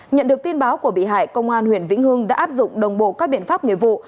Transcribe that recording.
nhận được tin báo của bị hại công an huyện vĩnh hương đã áp dụng đồng bộ các biện pháp nghiệp vụ